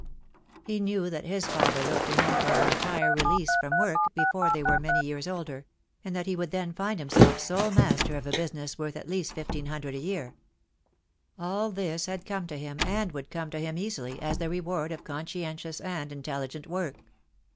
He knew that his father looked to him for an entire release from work before they were many years older; and that he would then find himself sole master of a business worth at least fifteen hundred a year. All this had come to him and would come to him easily, as the reward of conscientious and intelligent work.